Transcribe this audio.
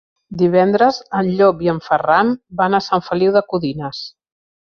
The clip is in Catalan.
Divendres en Llop i en Ferran van a Sant Feliu de Codines.